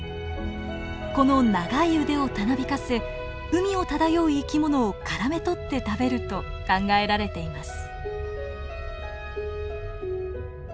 この長い腕をたなびかせ海を漂う生き物をからめとって食べると考えられています。